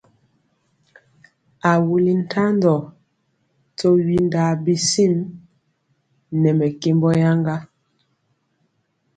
A wuli ntandɔ to windaa bisim nɛ mɛkembɔ yaŋga.